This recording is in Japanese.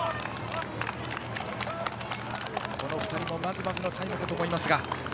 この２人もまずまずのタイムだと思いますが。